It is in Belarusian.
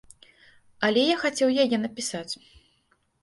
Але я хацеў яе напісаць.